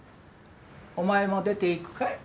お前も出ていくかい？